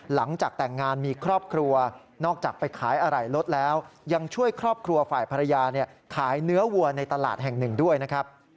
หลังจากแต่งงานมีครอบครัวนอกจากไปขายอะไหล่รถแล้วยังช่วยครอบครัวฝ่ายภรรยาขายเนื้อวัวในตลาดแห่งหนึ่งด้วยนะครับ